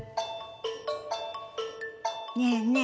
ねえねえ